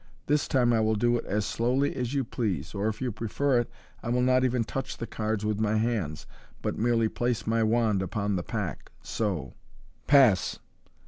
This time I will do it as slowly as you please, or, if you prefer it, I will not even touch the cards with my hands, but merely place my wand upon the pack, so. Pass